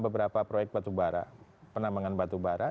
beberapa proyek batubara penambangan batubara